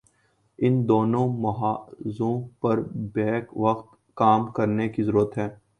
ان دونوں محاذوں پر بیک وقت کام کرنے کی ضرورت ہے۔